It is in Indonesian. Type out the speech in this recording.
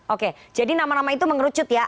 oke jadi nama nama itu mengerucut ya